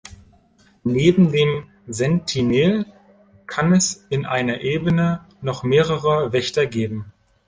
Neben dem Sentinel kann es in einer Ebene noch mehrere Wächter geben.